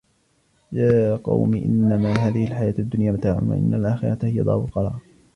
يا قوم إنما هذه الحياة الدنيا متاع وإن الآخرة هي دار القرار